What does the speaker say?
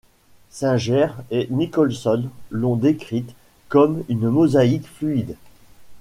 Singer et Nicholson l'ont décrite comme une mosaïque fluide.